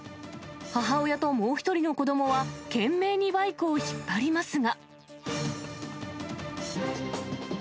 母親ともう１人の子どもは、懸命にバイクを引っ張りますが。